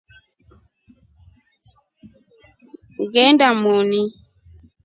Ngeenda Mweni.